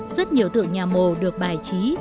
rất nhiều tượng nhà mồ được bài trí